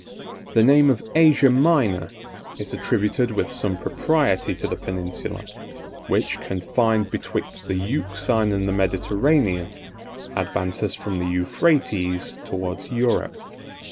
The name of Asia Minor is attributed with some propriety to the peninsula, which, confined betwixt the Euxine and the Mediterranean, advances from the Euphrates towards Europe.